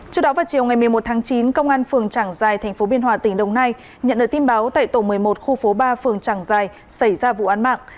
trước đó vào chiều ngày một mươi một tháng chín công an phường trảng giai thành phố biên hòa tỉnh đồng nai nhận được tin báo tại tổng một mươi một khu phố ba phường trảng giai xảy ra vụ án mạng